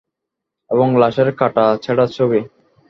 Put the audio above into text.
এবং লাশের কাটা-ছেঁড়ার ছবি?